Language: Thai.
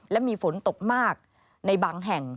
และมีฝนตกมากในบางแห่ง